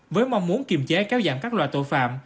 với mong muốn kiềm chế kéo giảm các loại tội phạm